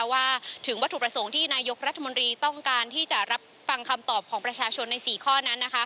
ว่าถึงวัตถุประสงค์ที่นายกรัฐมนตรีต้องการที่จะรับฟังคำตอบของประชาชนใน๔ข้อนั้น